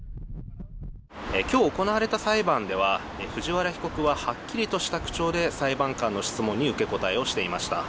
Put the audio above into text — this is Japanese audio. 今日行われた裁判では藤原被告ははっきりとした口調で裁判官の質問に受け答えをしていました。